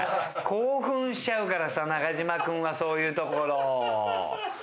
興奮しちゃうからさ中島君はそういうところ。